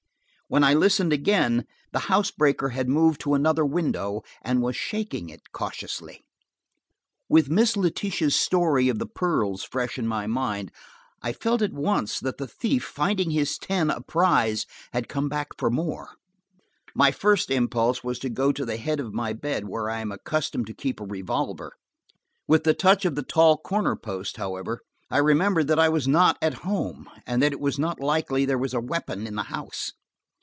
When I listened again, the housebreaker had moved to another window, and was shaking it cautiously. With Miss Letitia's story of the pearls fresh in my mind, I felt at once that the thief, finding his ten a prize, had come back for more. My first impulse was to go to the head of my bed, where I am accustomed to keep a revolver. With the touch of the tall corner post, however, I remembered that I was not at home, and that it was not likely there was a weapon in the house.